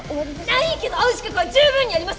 ないけど会う資格は十分にあります！